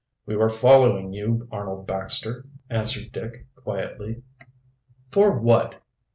"We were following you, Arnold Baxter," answered Dick quietly. "For what?"